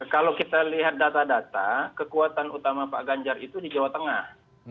kalau kita lihat data data kekuatan utama pak ganjar itu di jawa tengah